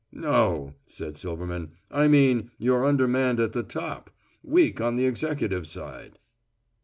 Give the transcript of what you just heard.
"No," said Silverman, "I mean you're undermanned at the top. Weak on the executive side."